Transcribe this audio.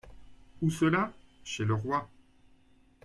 Où cela ? Chez le roi.